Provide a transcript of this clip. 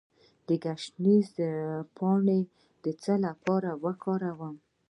د ګشنیز پاڼې د څه لپاره وکاروم؟